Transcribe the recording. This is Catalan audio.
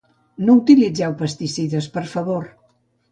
No utilitzeu pesticides, per favor